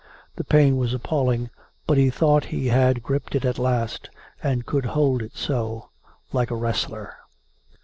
The pain was appalling, but he thought he had gripped it at last, and could hold it so, like a wrestler.